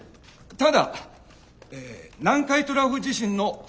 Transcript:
ただえ南海トラフ地震の想定